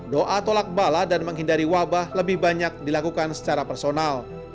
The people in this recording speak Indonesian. doa tolak bala dan menghindari wabah lebih banyak dilakukan secara personal